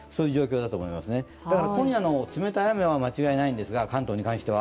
だから今夜の冷たい雨は間違いないんですが、関東に関しては。